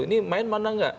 ini main mana enggak